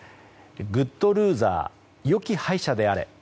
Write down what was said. グッドルーザー良き敗者であれ。